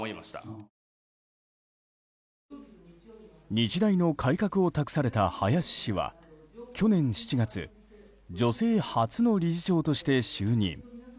日大の改革を託された林氏は去年７月女性初の理事長として就任。